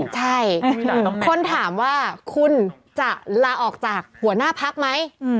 ใช่คนถามว่าคุณจะลาออกจากหัวหน้าพักไหม